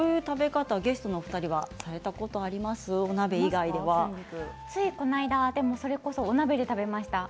ゲストのお二人はされたことありついこの間それこそお鍋で食べました。